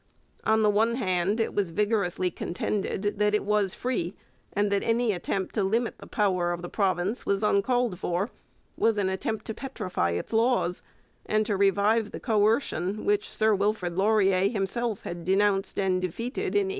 On the one hand, it was vigorously contended that it was free, and that any attempt to limit the power of the province was uncalled for, was an attempt to petrify its laws, and to revive the coercion which Sir Wilfrid Laurier himself had denounced and defeated in 1896.